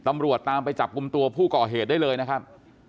ตำรวจตามไปจับกลุ่มตัวผู้ก่อเหตุได้เลยนะครับ